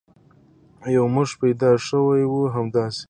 یو موش پیدا شوی وي، همداسې ده.